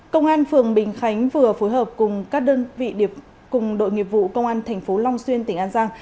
công an phường bình khánh vừa phối hợp cùng các đơn vị điệp cùng đội nghiệp vụ công an thành phố long xuyên tỉnh an giang